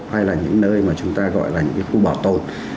hay là những nơi mà chúng ta gọi là những cái khu bảo tồn